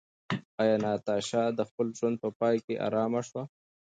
ایا ناتاشا د خپل ژوند په پای کې ارامه شوه؟